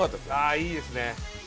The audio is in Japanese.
いいですね。